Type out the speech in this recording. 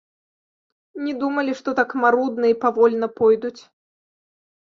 Не думалі, што так марудна і павольна пойдуць.